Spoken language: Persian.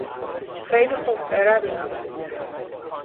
خیلی خوب، برویم.